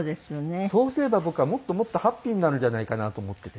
そうすれば僕はもっともっとハッピーになるんじゃないかなと思ってて。